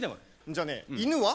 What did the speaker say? じゃあね犬は？